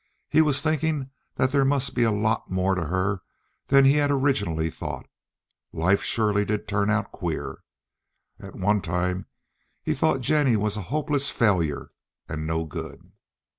He was thinking that there must be a lot more to her than he had originally thought. Life surely did turn out queer. At one time he thought Jennie was a hopeless failure and no good.